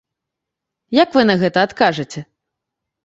Як вы на гэта адкажаце?